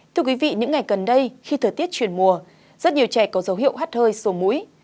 thưa quý vị những ngày gần đây khi thời tiết chuyển mùa rất nhiều trẻ có dấu hiệu hắt hơi sổ mũi